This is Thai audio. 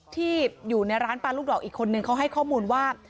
ที่อยู่ในร้านปลาลูกดอกอีกคนนึงเขาให้ข้อมูลว่า